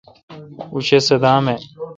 اوں شہ صدام اؘ ۔